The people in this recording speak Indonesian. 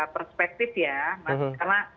perspektif ya karena